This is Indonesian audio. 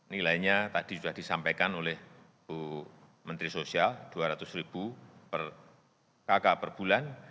nilainya tadi sudah disampaikan oleh bu menteri sosial rp dua ratus ribu per kakak per bulan